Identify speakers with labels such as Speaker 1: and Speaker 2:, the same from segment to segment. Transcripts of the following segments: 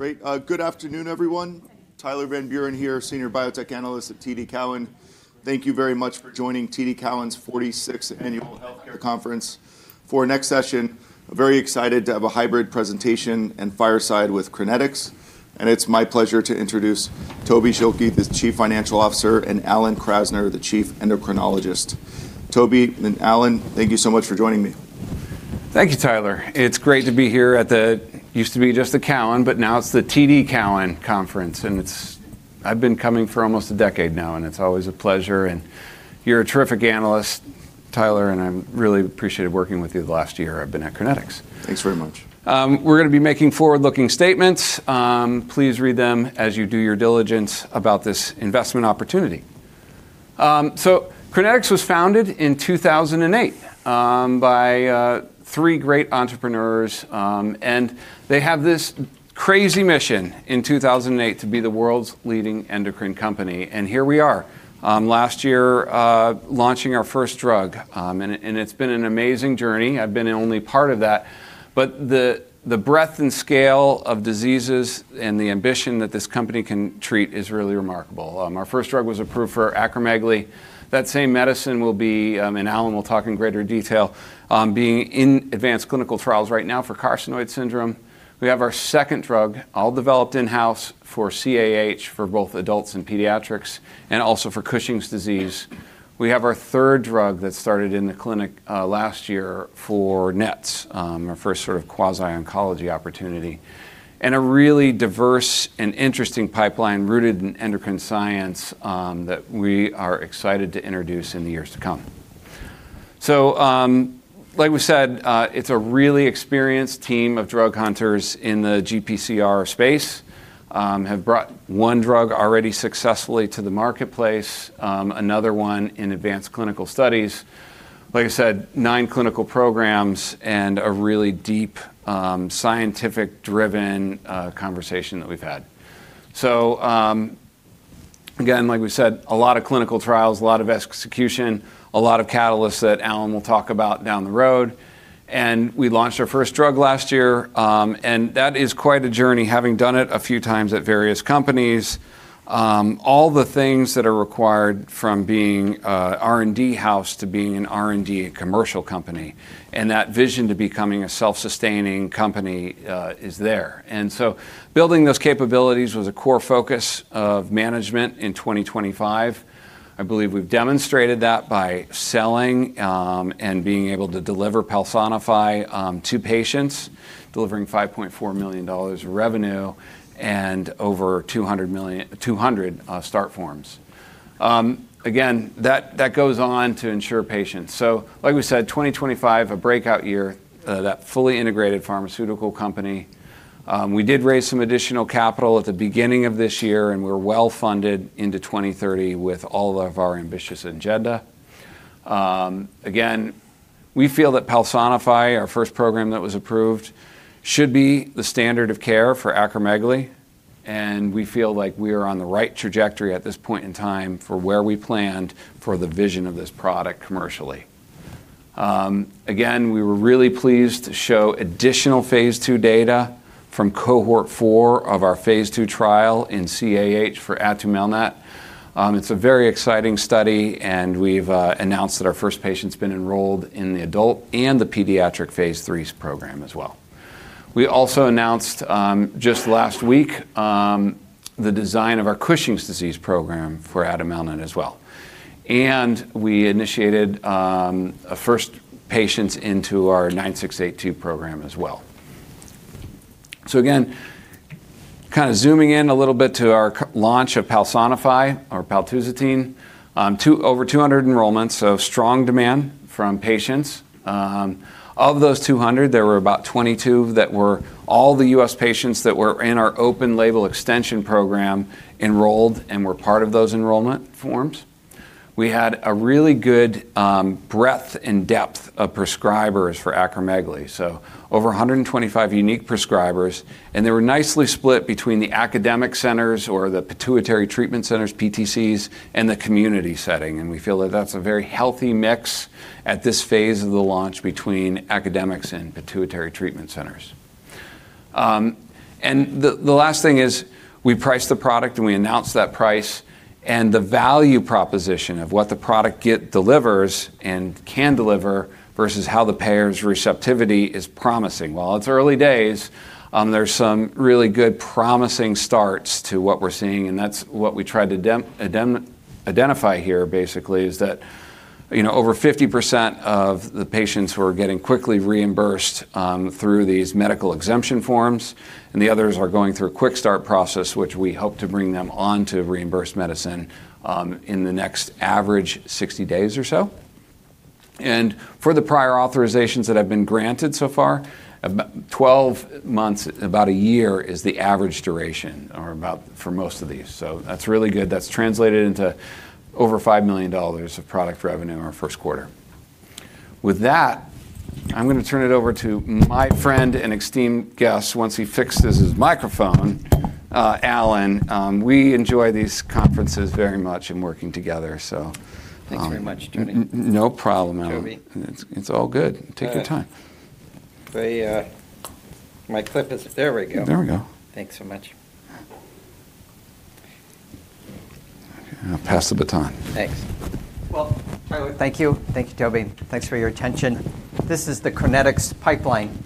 Speaker 1: Great. good afternoon, everyone. Tyler Van Buren here, Senior Biotech Analyst at TD Cowen. Thank you very much for joining TD Cowen's 46th Annual Healthcare conference. For our next session, we're very excited to have a hybrid presentation and fireside with Crinetics, and it's my pleasure to introduce Tobin Schilke, the Chief Financial Officer, and Alan Krasner, the Chief Endocrinologist. Tobin and Alan, thank you so much for joining me.
Speaker 2: Thank you, Tyler. It's great to be here at the used to be just the Cowen, but now it's the TD Cowen Conference. I've been coming for almost a decade now, and it's always a pleasure, and you're a terrific analyst, Tyler, and I really appreciated working with you the last year I've been at Crinetics.
Speaker 1: Thanks very much.
Speaker 2: We're gonna be making forward-looking statements. Please read them as you do your diligence about this investment opportunity. Crinetics was founded in 2008 by three great entrepreneurs, and they have this crazy mission in 2008 to be the world's leading endocrine company. Here we are last year launching our first drug, and it's been an amazing journey. I've been only part of that, but the breadth and scale of diseases and the ambition that this company can treat is really remarkable. Our first drug was approved for acromegaly. That same medicine will be, and Alan will talk in greater detail, being in advanced clinical trials right now for carcinoid syndrome. We have our second drug, all developed in-house for CAH for both adults and pediatrics and also for Cushing's disease. We have our third drug that started in the clinic, last year for NETs, our first sort of quasi-oncology opportunity, and a really diverse and interesting pipeline rooted in endocrine science, that we are excited to introduce in the years to come. Like we said, it's a really experienced team of drug hunters in the GPCR space, have brought one drug already successfully to the marketplace, another one in advanced clinical studies. Like I said, nine clinical programs and a really deep, scientific-driven, conversation that we've had. Again, like we said, a lot of clinical trials, a lot of execution, a lot of catalysts that Alan will talk about down the road. We launched our first drug last year, and that is quite a journey, having done it a few times at various companies. All the things that are required from being a R&D house to being an R&D commercial company, and that vision to becoming a self-sustaining company, is there. Building those capabilities was a core focus of management in 2025. I believe we've demonstrated that by selling and being able to deliver PALSONIFY to patients, delivering $5.4 million in revenue and over 200 start forms. Again, that goes on to ensure patients. Like we said, 2025, a breakout year, that fully integrated pharmaceutical company. We did raise some additional capital at the beginning of this year, and we're well funded into 2030 with all of our ambitious agenda. Again, we feel that PALSONIFY, our first program that was approved, should be the standard of care for acromegaly, and we feel like we are on the right trajectory at this point in time for where we planned for the vision of this product commercially. Again, we were really pleased to show additional phase II data from cohort 4 of our phase II trial in CAH for atumelnant. It's a very exciting study, and we've announced that our first patient's been enrolled in the adult and the pediatric phase IIIs program as well. We also announced just last week the design of our Cushing's disease program for atumelnant as well. We initiated first patients into our 9682 program as well. Again, kind of zooming in a little bit to our launch of PALSONIFY or paltusotine, over 200 enrollments, strong demand from patients. Of those 200, there were about 22 that were all the U.S. patients that were in our open-label extension program enrolled and were part of those enrollment forms. We had a really good breadth and depth of prescribers for acromegaly, over 125 unique prescribers, and they were nicely split between the academic centers or the pituitary treatment centers, PTCs, and the community setting. We feel that that's a very healthy mix at this phase of the launch between academics and pituitary treatment centers. The last thing is we priced the product, and we announced that price and the value proposition of what the product delivers and can deliver versus how the payer's receptivity is promising. While it's early days, there's some really good promising starts to what we're seeing, and that's what we tried to identify here basically is that, you know, over 50% of the patients who are getting quickly reimbursed through these medical exemption forms, and the others are going through a Quick Start process, which we hope to bring them on to reimbursed medicine in the next average 60 days or so. For the prior authorizations that have been granted so far, 12 months, about a year is the average duration or about for most of these. That's really good. That's translated into over $5 million of product revenue in our first quarter. With that, I'm gonna turn it over to my friend and esteemed guest once he fixes his microphone. Alan, we enjoy these conferences very much and working together.
Speaker 3: Thanks very much, Toby.
Speaker 2: No problem, Alan.
Speaker 3: Toby.
Speaker 2: It's all good. Take your time.
Speaker 3: There we go.
Speaker 2: There we go.
Speaker 3: Thanks so much.
Speaker 2: I'll pass the baton.
Speaker 3: Thanks. Well, thank you. Thank you, Toby. Thanks for your attention. This is the Crinetics pipeline.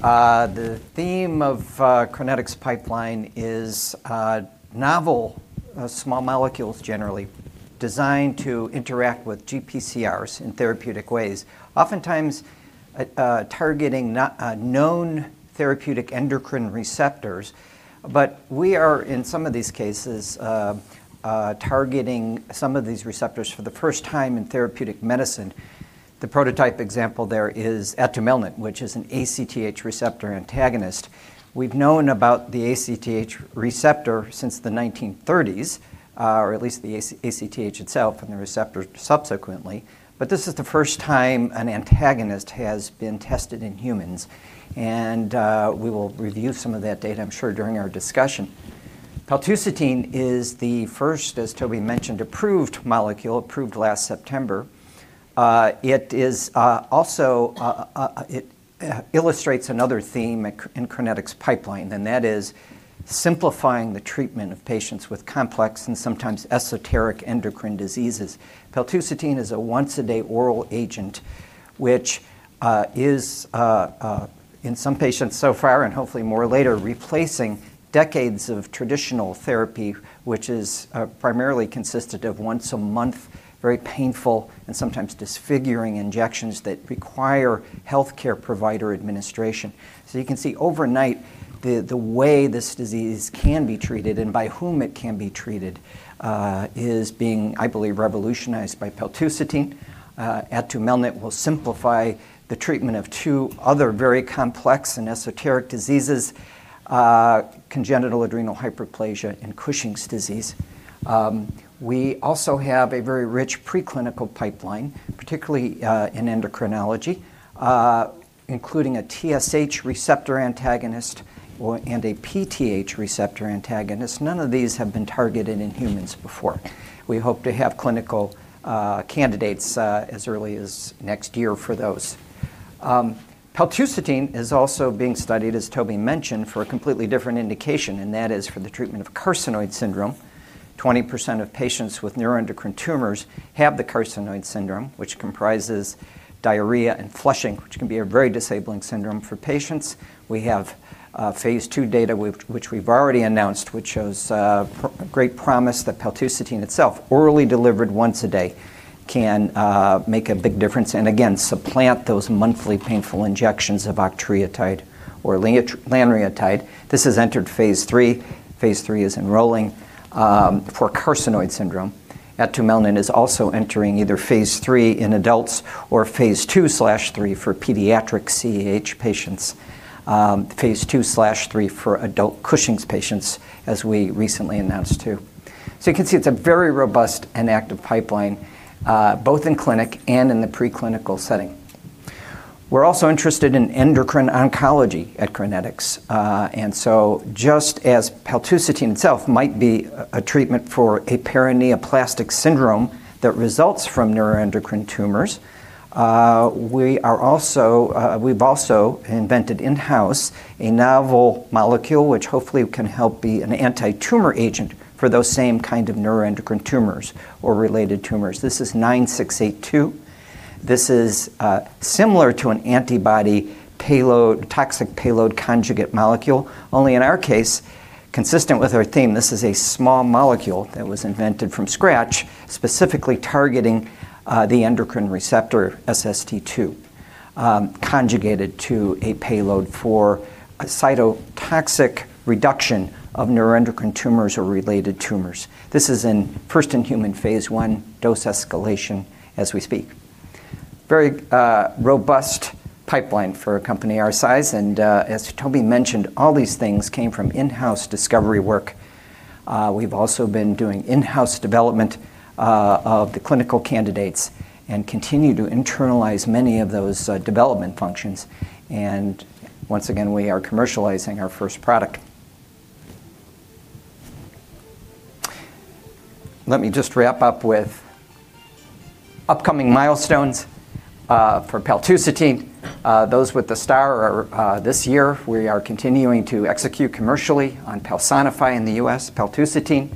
Speaker 3: The theme of Crinetics pipeline is novel small molecules generally designed to interact with GPCRs in therapeutic ways, oftentimes targeting not known therapeutic endocrine receptors. We are, in some of these cases, targeting some of these receptors for the first time in therapeutic medicine. The prototype example there is atumelnant, which is an ACTH receptor antagonist. We've known about the ACTH receptor since the 1930s, or at least the ACTH itself and the receptor subsequently, this is the first time an antagonist has been tested in humans. We will review some of that data, I'm sure, during our discussion. paltusotine is the first, as Toby mentioned, approved molecule, approved last September. It is also it illustrates another theme at Crinetics pipeline, that is simplifying the treatment of patients with complex and sometimes esoteric endocrine diseases. Paltusotine is a once-a-day oral agent, which is in some patients so far and hopefully more later, replacing decades of traditional therapy, which is primarily consisted of once-a-month, very painful and sometimes disfiguring injections that require healthcare provider administration. You can see overnight, the way this disease can be treated and by whom it can be treated, is being, I believe, revolutionized by paltusotine. Atumelnant will simplify the treatment of two other very complex and esoteric diseases, congenital adrenal hyperplasia and Cushing's disease. We also have a very rich preclinical pipeline, particularly in endocrinology, including a TSH receptor antagonist and a PTH receptor antagonist. None of these have been targeted in humans before. We hope to have clinical candidates as early as next year for those. paltusotine is also being studied, as Toby mentioned, for a completely different indication, and that is for the treatment of carcinoid syndrome. 20% of patients with neuroendocrine tumors have the carcinoid syndrome, which comprises diarrhea and flushing, which can be a very disabling syndrome for patients. We have phase II data which we've already announced, which shows great promise that paltusotine itself, orally delivered once a day, can make a big difference and again, supplant those monthly painful injections of octreotide or lanreotide. This has entered phase 3. Phase 3 is enrolling for carcinoid syndrome. atumelnant is also entering either phase III in adults or phase 2/3 for pediatric CAH patients. Phase 2/3 for adult Cushing's patients, as we recently announced too. You can see it's a very robust and active pipeline, both in clinic and in the preclinical setting. We're also interested in endocrine oncology at Crinetics. Just as paltusotine itself might be a treatment for a paraneoplastic syndrome that results from neuroendocrine tumors, we are also, we've also invented in-house a novel molecule which hopefully can help be an antitumor agent for those same kind of neuroendocrine tumors or related tumors. This is CRN09682. This is similar to an antibody payload, toxic payload conjugate molecule. Only in our case, consistent with our theme, this is a small molecule that was invented from scratch, specifically targeting the endocrine receptor SST2, conjugated to a payload for a cytotoxic reduction of neuroendocrine tumors or related tumors. This is in first-in-human phase I dose escalation as we speak. Very robust pipeline for a company our size, as Toby mentioned, all these things came from in-house discovery work. We've also been doing in-house development of the clinical candidates and continue to internalize many of those development functions. Once again, we are commercializing our first product. Let me just wrap up with upcoming milestones for paltusotine. Those with the star are this year. We are continuing to execute commercially on PALSONIFY in the U.S., paltusotine.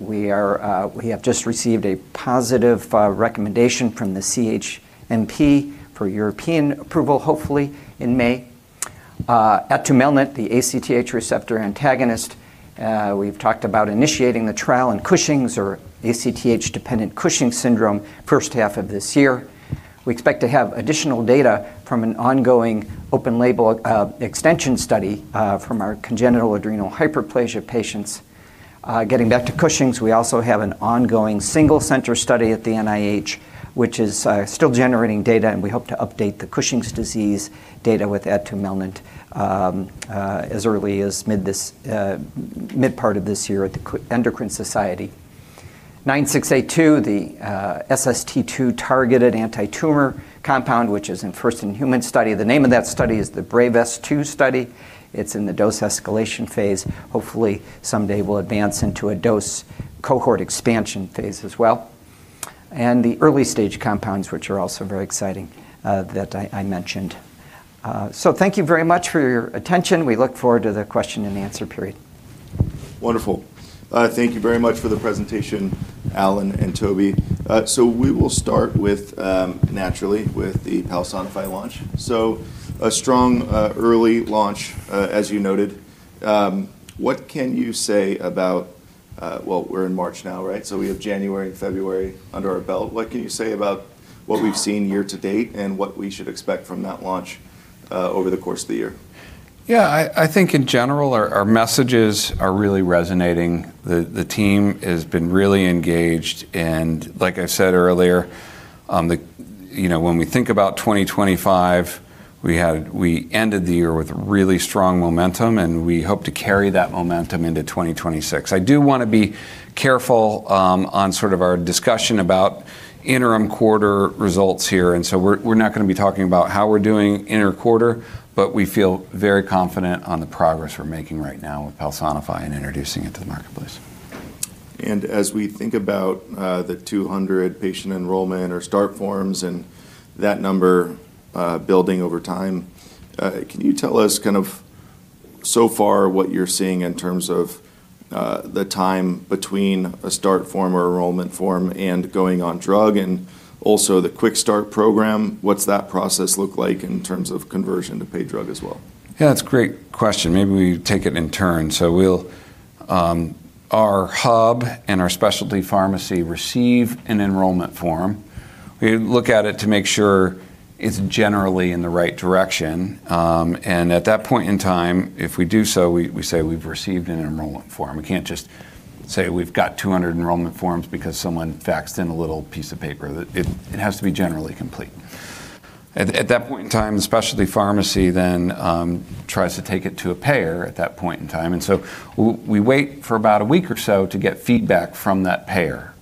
Speaker 3: We have just received a positive recommendation from the CHMP for European approval, hopefully in May. Atumelnant, the ACTH receptor antagonist, we've talked about initiating the trial in Cushing's or ACTH-dependent Cushing's syndrome first half of this year. We expect to have additional data from an ongoing open-label extension study from our congenital adrenal hyperplasia patients. Getting back to Cushing's, we also have an ongoing single center study at the NIH, which is still generating data, and we hope to update the Cushing's disease data with atumelnant as early as mid this mid part of this year at the Endocrine Society. 9682, the SST2 targeted anti-tumor compound, which is in first-in-human study. The name of that study is the BRAVESST2 study. It's in the dose escalation phase. Hopefully, someday we'll advance into a dose cohort expansion phase as well. The early-stage compounds, which are also very exciting, that I mentioned. Thank you very much for your attention. We look forward to the question and answer period.
Speaker 1: Wonderful. Thank you very much for the presentation, Alan and Toby. We will start with, naturally, with the PALSONIFY launch. A strong, early launch, as you noted. What can you say about, well, we're in March now, right? We have January and February under our belt. What can you say about what we've seen year to date and what we should expect from that launch over the course of the year?
Speaker 2: I think in general our messages are really resonating. The team has been really engaged, and like I said earlier, you know, when we think about 2025, we ended the year with really strong momentum, and we hope to carry that momentum into 2026. I do wanna be careful on sort of our discussion about interim quarter results here, we're not gonna be talking about how we're doing inter-quarter, but we feel very confident on the progress we're making right now with PALSONIFY and introducing it to the marketplace.
Speaker 1: As we think about, the 200 patient enrollment or start forms and that number building over time, can you tell us kind of so far what you're seeing in terms of the time between a start form or enrollment form and going on drug and also the Quick Start program, what's that process look like in terms of conversion to paid drug as well?
Speaker 2: Yeah, that's a great question. Maybe we take it in turn. We'll, our hub and our specialty pharmacy receive an enrollment form. We look at it to make sure it's generally in the right direction, and at that point in time, if we do so, we say we've received an enrollment form. We can't just say we've got 200 enrollment forms because someone faxed in a little piece of paper. It has to be generally complete. At that point in time, the specialty pharmacy then tries to take it to a payer at that point in time, we wait for about a week or so to get feedback from that payer.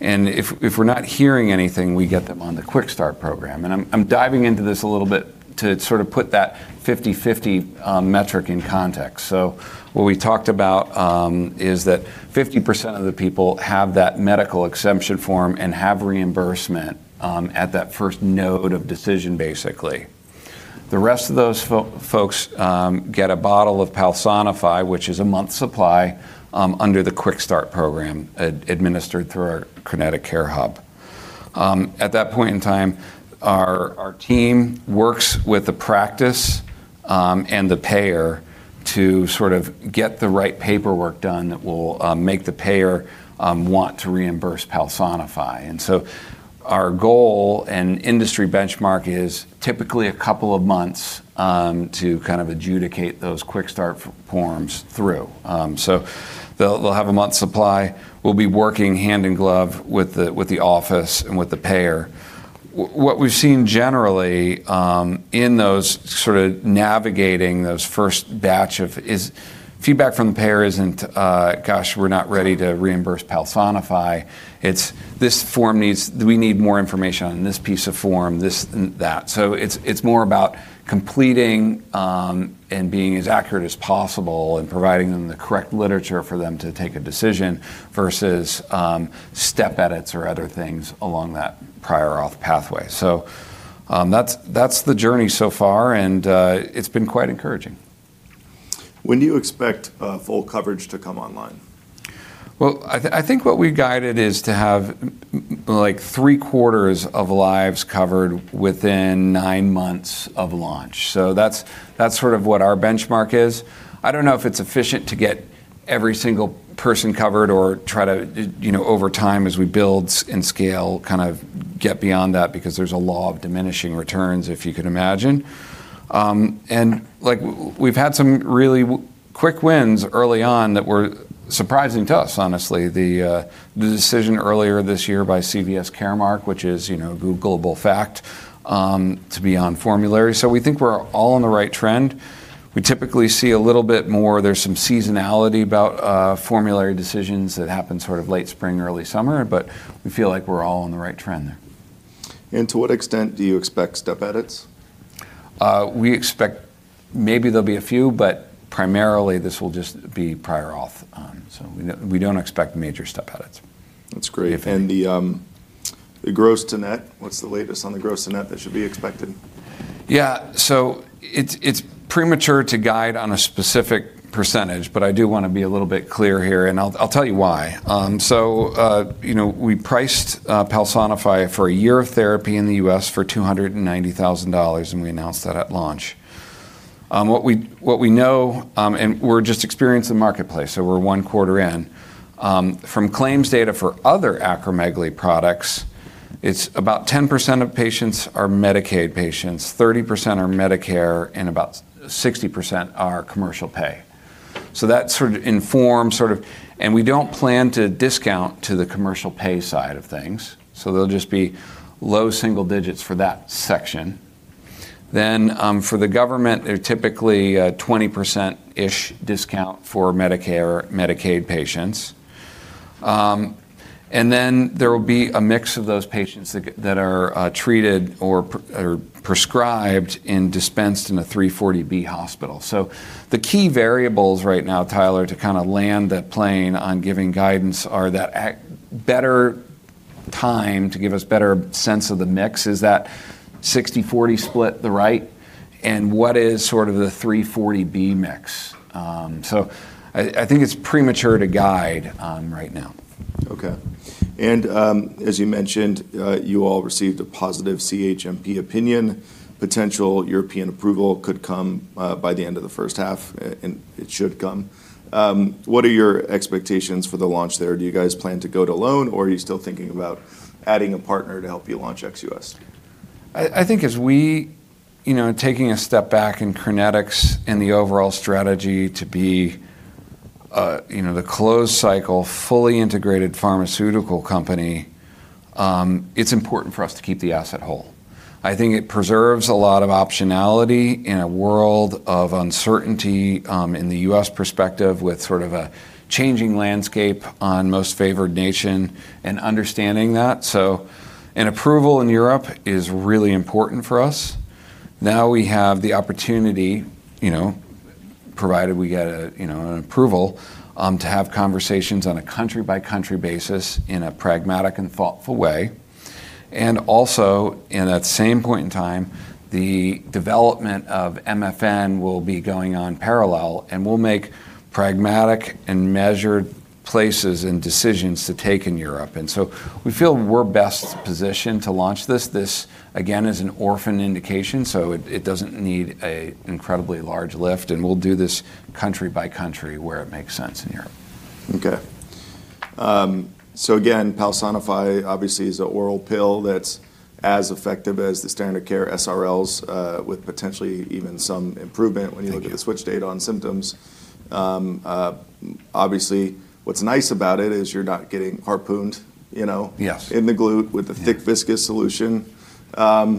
Speaker 2: If we're not hearing anything, we get them on the Quick Start program. I'm diving into this a little bit to sort of put that 50/50 metric in context. What we talked about is that 50% of the people have that medical exception form and have reimbursement at that first node of decision, basically. The rest of those folks get a bottle of PALSONIFY, which is a month's supply, under the Quick Start program administered through our CrinetiCARE Hub. At that point in time, our team works with the practice and the payer to sort of get the right paperwork done that will make the payer want to reimburse PALSONIFY. Our goal and industry benchmark is typically a couple of months to kind of adjudicate those Quick Start forms through. They'll have a month's supply. We'll be working hand in glove with the office and with the payer. What we've seen generally in those sort of navigating those first batch of is feedback from the payer isn't, "Gosh, we're not ready to reimburse PALSONIFY." It's, "This form needs... Do we need more information on this piece of form, this and that." It's more about completing and being as accurate as possible and providing them the correct literature for them to take a decision versus step edits or other things along that prior auth pathway. That's the journey so far, and it's been quite encouraging.
Speaker 1: When do you expect full coverage to come online?
Speaker 2: Well, I think what we guided is to have like three-quarters of lives covered within nine months of launch. That's sort of what our benchmark is. I don't know if it's efficient to get every single person covered or try to, you know, over time as we build and scale, kind of get beyond that because there's a law of diminishing returns, if you could imagine. Like we've had some really quick wins early on that were surprising to us, honestly. The decision earlier this year by CVS Caremark, which is, you know, a global fact, to be on formulary. We think we're all on the right trend. We typically see a little bit more... There's some seasonality about formulary decisions that happen sort of late spring, early summer, but we feel like we're all on the right trend there.
Speaker 1: To what extent do you expect step edits?
Speaker 2: We expect maybe there'll be a few, but primarily this will just be prior authorization. We don't expect major step edits.
Speaker 1: That's great.
Speaker 2: If any.
Speaker 1: The gross to net, what's the latest on the gross to net that should be expected?
Speaker 2: Yeah. It's premature to guide on a specific percentage, but I do wanna be a little bit clear here, and I'll tell you why. You know, we priced PALSONIFY for a year of therapy in the U.S. for $290,000, and we announced that at launch. What we know, and we're just experiencing the marketplace, we're one quarter in. From claims data for other acromegaly products, it's about 10% of patients are Medicaid patients, 30% are Medicare, and about 60% are commercial pay. That sort of informs. We don't plan to discount to the commercial pay side of things, they'll just be low single digits for that section. For the government, they're typically a 20%-ish discount for Medicare, Medicaid patients. There will be a mix of those patients that are treated or prescribed and dispensed in a 340B hospital. The key variables right now, Tyler, to kind of land that plane on giving guidance are that better time to give us better sense of the mix. Is that 60/40 split the right, and what is sort of the 340B mix? I think it's premature to guide on right now.
Speaker 1: Okay. As you mentioned, you all received a positive CHMP opinion. Potential European approval could come by the end of the first half, and it should come. What are your expectations for the launch there? Do you guys plan to go it alone, or are you still thinking about adding a partner to help you launch Ex-US?
Speaker 2: I think as we... You know, taking a step back in Crinetics and the overall strategy to be, you know, the closed cycle, fully integrated pharmaceutical company, it's important for us to keep the asset whole. I think it preserves a lot of optionality in a world of uncertainty, in the US perspective with sort of a changing landscape on most-favored-nation and understanding that. An approval in Europe is really important for us. Now we have the opportunity, you know, provided we get a, you know, an approval, to have conversations on a country-by-country basis in a pragmatic and thoughtful way. Also, in that same point in time, the development of MFN will be going on parallel, and we'll make pragmatic and measured places and decisions to take in Europe. We feel we're best positioned to launch this. This, again, is an orphan indication, so it doesn't need a incredibly large lift, and we'll do this country by country where it makes sense in Europe.
Speaker 1: Again, PALSONIFY obviously is a oral pill that's as effective as the standard care SRLs, with potentially even some improvement when you look at the switch date on symptoms. Obviously, what's nice about it is you're not getting harpooned, you know.
Speaker 2: Yes...
Speaker 1: In the glute with a thick, viscous solution.
Speaker 2: There's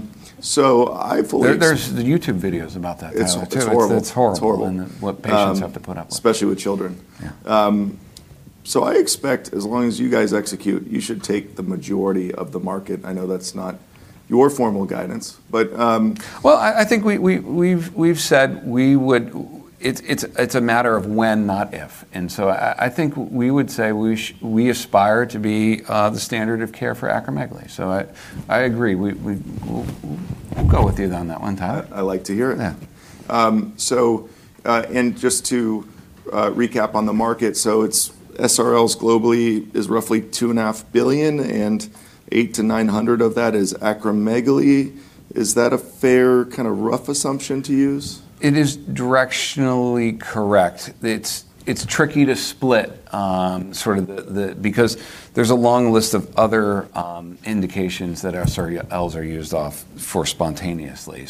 Speaker 2: the YouTube videos about that, Tyler, too.
Speaker 1: It's horrible.
Speaker 2: It's horrible.
Speaker 1: It's horrible....
Speaker 2: What patients have to put up with.
Speaker 1: Especially with children.
Speaker 2: Yeah.
Speaker 1: I expect as long as you guys execute, you should take the majority of the market. I know that's not your formal guidance, but.
Speaker 2: Well, I think we've said we would. It's a matter of when, not if. I think we would say we aspire to be the standard of care for acromegaly. I agree. We'll go with you on that one, Tyler.
Speaker 1: I like to hear it.
Speaker 2: Yeah.
Speaker 1: Just to recap on the market, it's SRLs globally is roughly $2.5 billion, and $800 million-$900 million of that is acromegaly. Is that a fair kind of rough assumption to use?
Speaker 2: It is directionally correct. It's tricky to split, sort of the. Because there's a long list of other indications that SRLs are used off for spontaneously.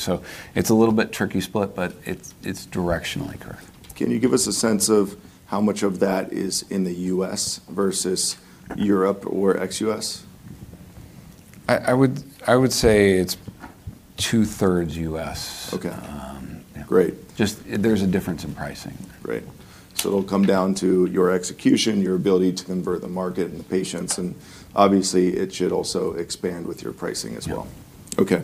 Speaker 2: It's a little bit tricky split, but it's directionally correct.
Speaker 1: Can you give us a sense of how much of that is in the U.S. versus Europe or Ex-U.S.?
Speaker 2: I would say it's two-thirds US.
Speaker 1: Okay.
Speaker 2: Yeah.
Speaker 1: Great.
Speaker 2: Just there's a difference in pricing.
Speaker 1: It'll come down to your execution, your ability to convert the market and the patients, and obviously, it should also expand with your pricing as well.
Speaker 2: Yeah.
Speaker 1: Okay.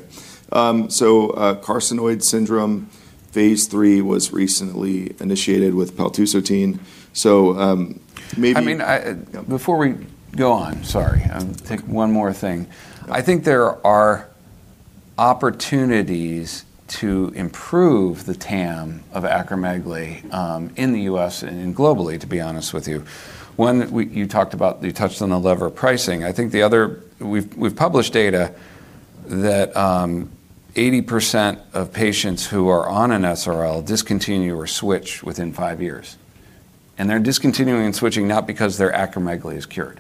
Speaker 1: carcinoid syndrome phase three was recently initiated with paltusotine.
Speaker 2: I mean, before we go on, sorry, I think one more thing. I think there are opportunities to improve the TAM of acromegaly, in the U.S. and globally, to be honest with you. One, you talked about, you touched on the lever pricing. I think the other. We've published data that 80% of patients who are on an SRL discontinue or switch within five years, and they're discontinuing and switching not because their acromegaly is cured.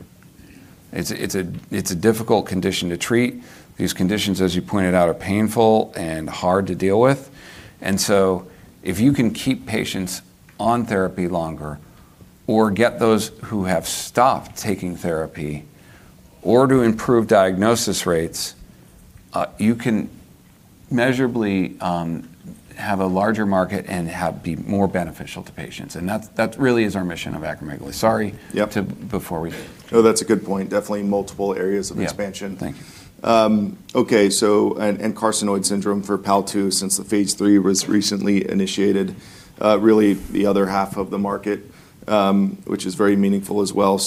Speaker 2: It's, it's a, it's a difficult condition to treat. These conditions, as you pointed out, are painful and hard to deal with. If you can keep patients on therapy longer or get those who have stopped taking therapy or to improve diagnosis rates, you can measurably have a larger market and be more beneficial to patients. That really is our mission of acromegaly. Sorry.
Speaker 1: Yep....
Speaker 2: To before.
Speaker 1: No, that's a good point. Definitely multiple areas of expansion.
Speaker 2: Yeah. Thank you.
Speaker 1: Okay. And carcinoid syndrome for paltusotine since the phase three was recently initiated, really the other half of the market, which is very meaningful as well.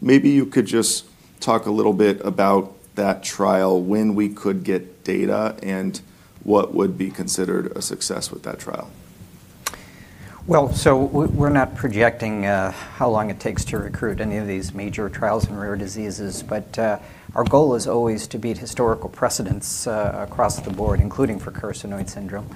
Speaker 1: Maybe you could just talk a little bit about that trial, when we could get data, and what would be considered a success with that trial?
Speaker 3: We're not projecting how long it takes to recruit any of these major trials in rare diseases. Our goal is always to beat historical precedence across the board, including for carcinoid syndrome.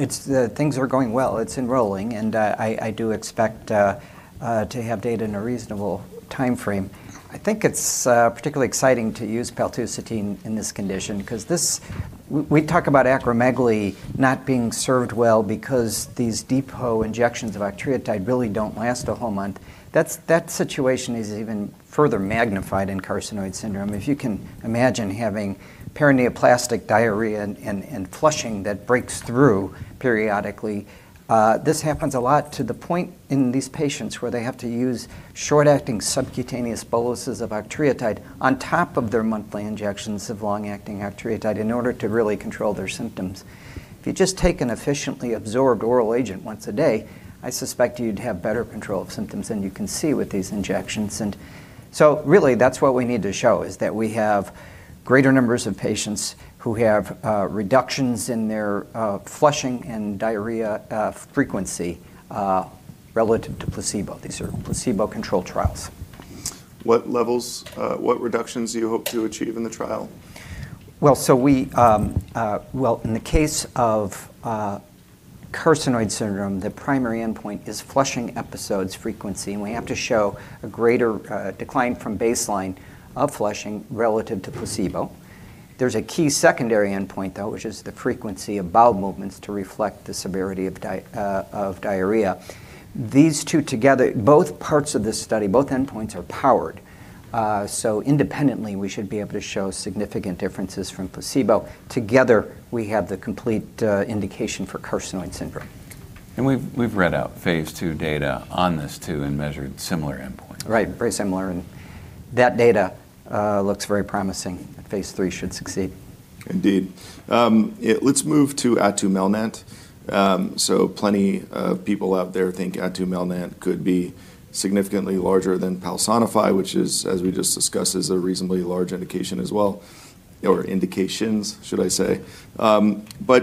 Speaker 3: It's the things are going well. It's enrolling, and I do expect to have data in a reasonable timeframe. I think it's particularly exciting to use paltusotine in this condition because we talk about acromegaly not being served well because these depot injections of octreotide really don't last a whole month. That situation is even further magnified in carcinoid syndrome. If you can imagine having paraneoplastic diarrhea and flushing that breaks through periodically, this happens a lot to the point in these patients where they have to use short-acting subcutaneous boluses of octreotide on top of their monthly injections of long-acting octreotide in order to really control their symptoms. If you just take an efficiently absorbed oral agent once a day, I suspect you'd have better control of symptoms than you can see with these injections. Really, that's what we need to show is that we have greater numbers of patients who have reductions in their flushing and diarrhea frequency relative to placebo. These are placebo-controlled trials.
Speaker 1: What levels, what reductions do you hope to achieve in the trial?
Speaker 3: Well, in the case of carcinoid syndrome, the primary endpoint is flushing episodes frequency, and we have to show a greater decline from baseline of flushing relative to placebo. There's a key secondary endpoint, though, which is the frequency of bowel movements to reflect the severity of diarrhea. Both parts of this study, both endpoints are powered. Independently, we should be able to show significant differences from placebo. Together, we have the complete indication for carcinoid syndrome.
Speaker 2: We've read out phase II data on this too and measured similar endpoints.
Speaker 3: Right. Very similar, and that data, looks very promising, and phase III should succeed.
Speaker 1: Indeed. Let's move to atumelnant. Plenty of people out there think atumelnant could be significantly larger than PALSONIFY, which is, as we just discussed, is a reasonably large indication as well, or indications, should I say.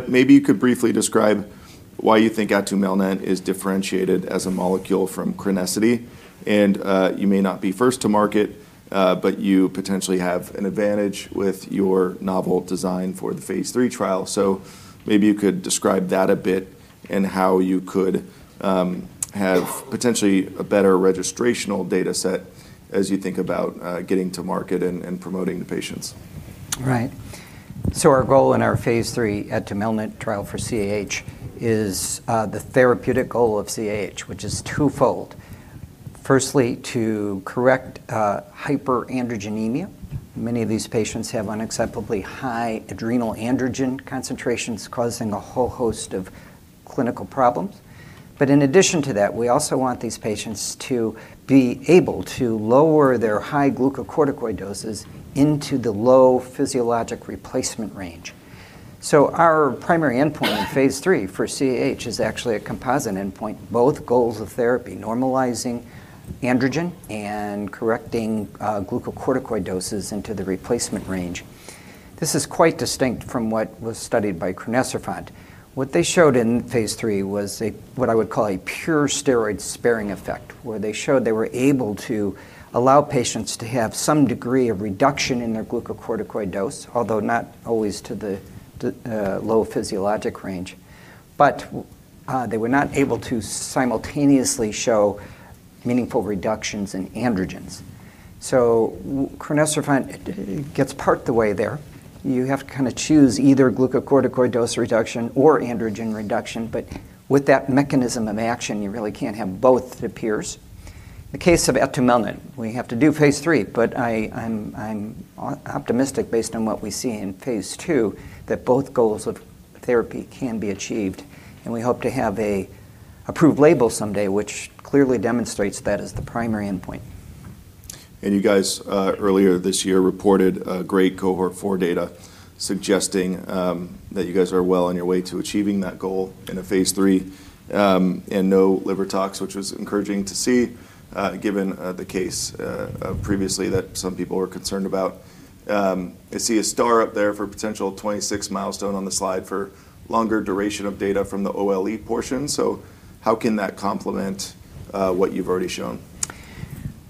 Speaker 1: Maybe you could briefly describe why you think atumelnant is differentiated as a molecule from Crenessity. You may not be first to market, but you potentially have an advantage with your novel design for the phase III trial. Maybe you could describe that a bit and how you could have potentially a better registrational data set as you think about getting to market and promoting to patients.
Speaker 3: Right. Our goal in our phase III atumelnant trial for CAH is the therapeutic goal of CAH, which is twofold. Firstly, to correct hyperandrogenemia. Many of these patients have unacceptably high adrenal androgen concentrations causing a whole host of clinical problems. In addition to that, we also want these patients to be able to lower their high glucocorticoid doses into the low physiologic replacement range. Our primary endpoint in phase III for CAH is actually a composite endpoint, both goals of therapy, normalizing androgen and correcting glucocorticoid doses into the replacement range. This is quite distinct from what was studied by crinecerfont. What they showed in phase III was a, what I would call a pure steroid-sparing effect, where they showed they were able to allow patients to have some degree of reduction in their glucocorticoid dose, although not always to the low physiologic range. They were not able to simultaneously show meaningful reductions in androgens. Crinecerfont gets part of the way there. You have to kinda choose either glucocorticoid dose reduction or androgen reduction, but with that mechanism of action, you really can't have both, it appears. The case of atumelnant, we have to do phase III, but I'm optimistic based on what we see in phase 2 that both goals of therapy can be achieved, and we hope to have a approved label someday which clearly demonstrates that as the primary endpoint.
Speaker 1: You guys, earlier this year reported a great cohort for data suggesting that you guys are well on your way to achieving that goal in a phase III, and no liver tox, which was encouraging to see given the case previously that some people were concerned about. I see a star up there for potential 26 milestone on the slide for longer duration of data from the OLE portion. How can that complement what you've already shown?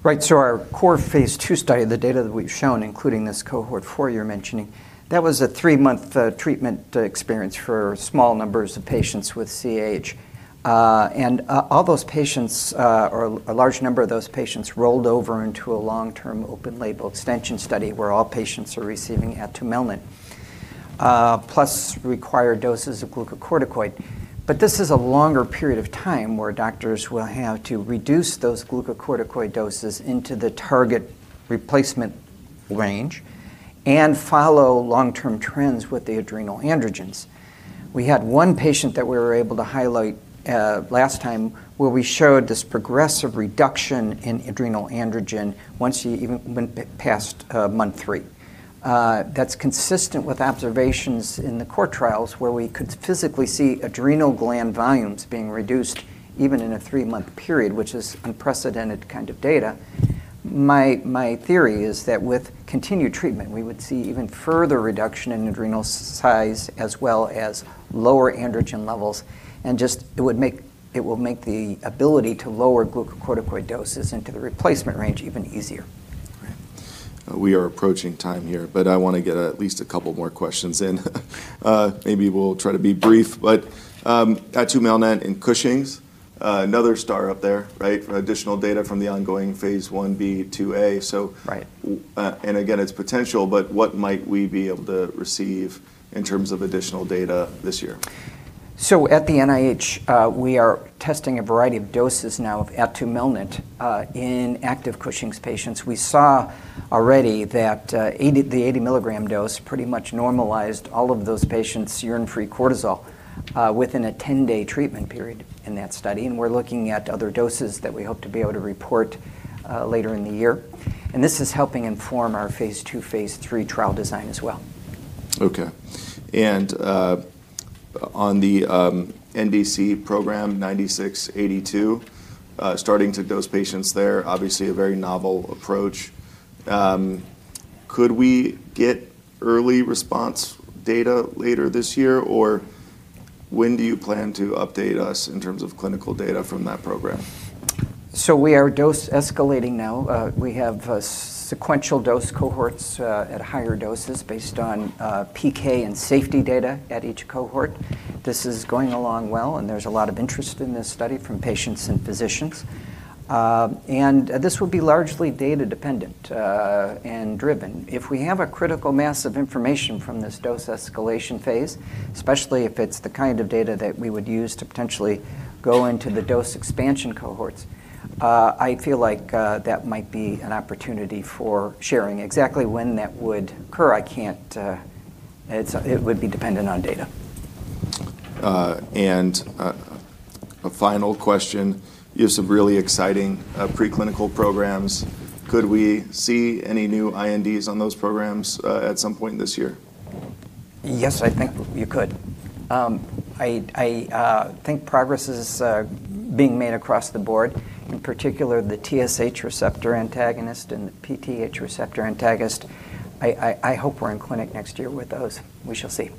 Speaker 3: Our core phase II study, the data that we've shown, including this cohort four you're mentioning, that was a three-month treatment experience for small numbers of patients with CAH. All those patients, or a large number of those patients rolled over into a long-term open-label extension study where all patients are receiving atumelnant plus required doses of glucocorticoid. This is a longer period of time where doctors will have to reduce those glucocorticoid doses into the target replacement range and follow long-term trends with the adrenal androgens. We had one patient that we were able to highlight last time where we showed this progressive reduction in adrenal androgen once he even went past month three. That's consistent with observations in the core trials where we could physically see adrenal gland volumes being reduced even in a three-month period, which is unprecedented kind of data. My theory is that with continued treatment, we would see even further reduction in adrenal size as well as lower androgen levels, and just it will make the ability to lower glucocorticoid doses into the replacement range even easier.
Speaker 1: We are approaching time here, but I wanna get at least a couple more questions in. Maybe we'll try to be brief. Atumelnant in Cushing's, another star up there, right? Additional data from the ongoing Phase 1b/2a.
Speaker 3: Right....
Speaker 1: Again, its potential, but what might we be able to receive in terms of additional data this year?
Speaker 3: At the NIH, we are testing a variety of doses now of atumelnant in active Cushing's patients. We saw already that the 80 mgdose pretty much normalized all of those patients' urine free cortisol within a 10-day treatment period in that study, and we're looking at other doses that we hope to be able to report later in the year. This is helping inform our phase II, phase III trial design as well.
Speaker 1: Okay. On the ACTH program, 9682, starting to dose patients there, obviously a very novel approach. Could we get early response data later this year, or when do you plan to update us in terms of clinical data from that program?
Speaker 3: We are dose escalating now. We have sequential dose cohorts at higher doses based on PK and safety data at each cohort. This is going along well, and there's a lot of interest in this study from patients and physicians. This would be largely data dependent and driven. If we have a critical mass of information from this dose escalation phase, especially if it's the kind of data that we would use to potentially go into the dose expansion cohorts, I feel like that might be an opportunity for sharing. Exactly when that would occur, I can't. It would be dependent on data.
Speaker 1: A final question. You have some really exciting preclinical programs. Could we see any new INDs on those programs at some point this year?
Speaker 3: Yes, I think you could. I think progress is being made across the board, in particular the TSH receptor antagonist and the PTH receptor antagonist. I hope we're in clinic next year with those. We shall see.